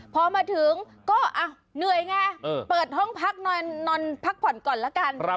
พอมาถึงก็เหนื่อยไงเปิดห้องพักนอนพักผ่อนก่อนละกัน